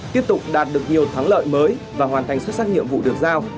tiếp tục đạt được nhiều thắng lợi mới và hoàn thành xuất sắc nhiệm vụ được giao